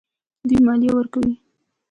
دوی مالیه ورکوي.